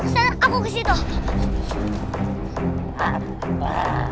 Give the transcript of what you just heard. itu kan suara serigala